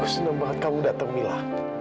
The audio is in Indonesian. aku senang banget kamu datang mila